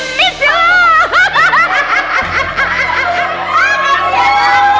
genis ya lo